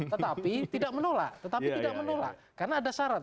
tetapi tidak menolak karena ada syarat